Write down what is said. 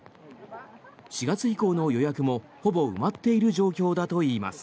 ４月以降の予約もほぼ埋まっている状況だといいます。